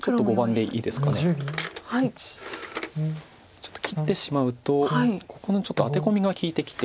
ちょっと切ってしまうとここのアテコミが利いてきて。